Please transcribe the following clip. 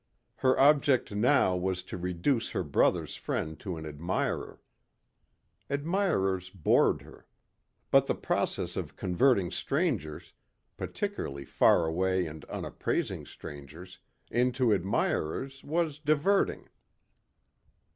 Her object now was to reduce her brother's friend to an admirer. Admirers bored her. But the process of converting strangers, particularly far away and unappraising strangers, into admirers was diverting.